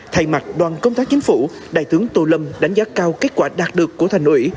thay mặt đoàn công tác chính phủ đại tướng tô lâm đánh giá cao kết quả đạt được của thành ủy